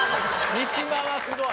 三島はすごい。